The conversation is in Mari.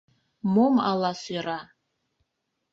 Мом ала сӧра?..